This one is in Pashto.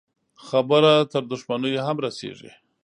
خبره تر دښمنيو هم رسېږي.